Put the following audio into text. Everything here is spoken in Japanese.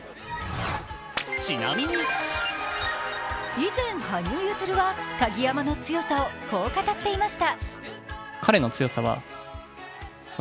以前、羽生結弦は鍵山の強さをこう語っていました。